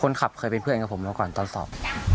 ขับเคยเป็นเพื่อนกับผมแล้วก่อนตอนสอบ